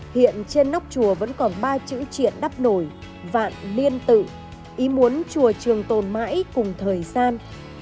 hiện trên nóc chùa vẫn còn ba chữ triển đắp nổi vạn niên tự ý muốn chùa trường tồn mãi cùng thời gian